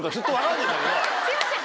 すいません